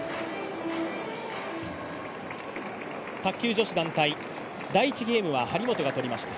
卓球女子団体第１ゲームは張本が取りました。